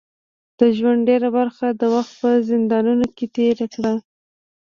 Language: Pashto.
د ژوند ډیره برخه د وخت په زندانونو کې تېره کړه.